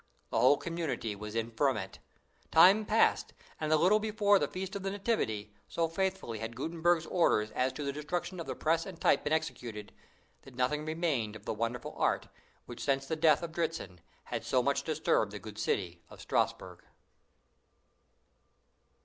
The whole community was in a ferment. Time passed, and a little before the Feast of the Nativity, so faithfully had Gutenberg's orders as to the destruction of the press and type been executed, that nothing remained of the wonderful art, which since the death of Dritzhn, had so much disturbed the good city of Strasbourg.